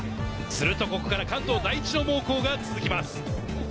すると、ここから関東第一の猛攻が続きます。